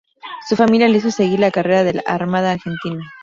Su familia le hizo seguir la carrera de la Armada Argentina.